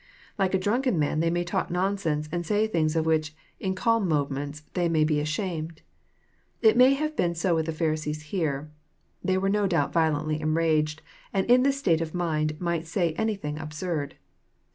Like a drunken man they may talk nonsense, and say things of which in calm moments they may be ashamed. It may have been so with the Pharisees here. They were no doubt violently enraged, and in this state of mind might say anything absurd.